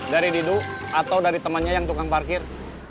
dari didu atau dari temannya yang tukang parkir